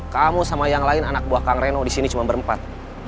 kamu sama yang lain anak buah kang reno di sini cuma berempat